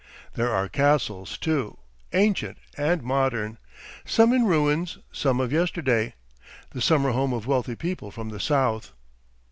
There are castles, too, ancient and modern, some in ruins, some of yesterday, the summer home of wealthy people from the south.